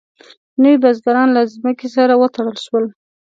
نوي بزګران له ځمکې سره وتړل شول.